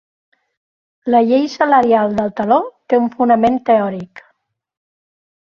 La llei salarial del teló té un fonament teòric.